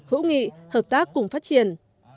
hữu nghị hợp tác cùng phát triển